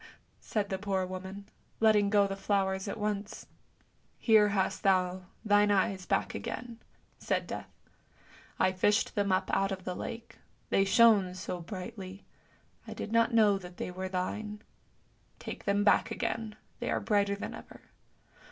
" said the poor woman, letting go the flowers at once. " Here hast thou thine eyes back again," said Death; " I fished them up out of the lake, they shone so brightly ; I did not know that they were thine. Take them back again, they are brighter than ever.